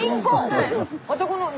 ・はい。